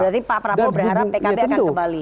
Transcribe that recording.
berarti pak prabowo berharap pkb akan kembali